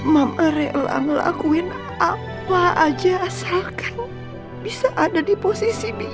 mama rela ngelakuin apa aja asalkan bisa ada di posisi bi ida den